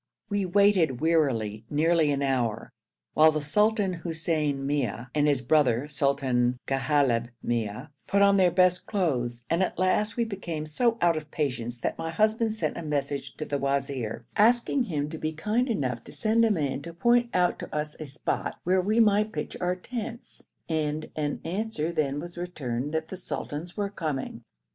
We waited wearily nearly an hour, while the Sultan Hussein Mia and his brother, Sultan Ghalib Mia, put on their best clothes, and at last we became so out of patience that my husband sent a message to the wazir, asking him to be kind enough to send a man to point out to us a spot where we might pitch our tents, and an answer then was returned that the sultans were coming.